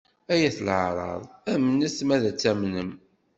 Ay at leɛraḍ! Amnet ma ad tamnem.